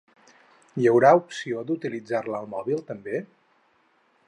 Hi haurà opció d'utilitzar-la al mòbil també?